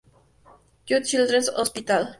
Jude Children’s Hospital.